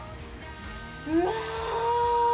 うわ！